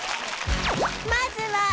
まずは